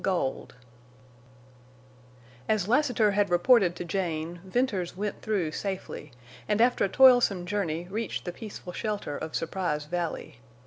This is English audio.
GOLD As Lassiter had reported to Jane, Venters "went through" safely, and after a toilsome journey reached the peaceful shelter of Surprise Valley.